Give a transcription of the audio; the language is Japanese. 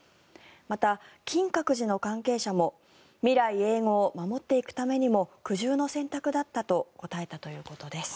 また、金閣寺の関係者も未来永劫守っていくためにも苦渋の選択だったと答えたということです。